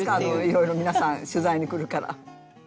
いろいろ皆さん取材に来るから。